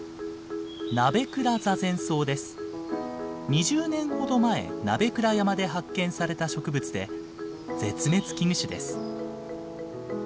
２０年ほど前鍋倉山で発見された植物で絶滅危惧種です。